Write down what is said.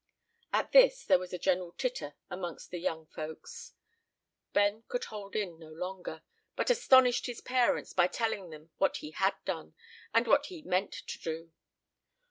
At this there was a general titter amongst the young folks. Ben could hold in no longer, but astonished his parents by telling them what he had done, and what he meant to do.